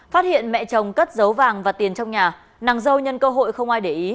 phát hiện mẹ chồng cất dấu vàng và tiền trong nhà nàng dâu nhân cơ hội không ai để ý